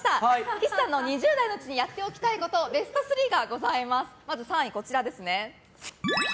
岸さんが２０代のうちにやっておきたいことベスト３です。